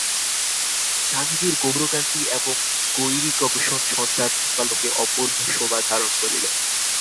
স্বামীজীর গৌরকান্তি এবং গৈরিকবসন সন্ধ্যার দীপালোকে অপূর্ব শোভা ধারণ করিল।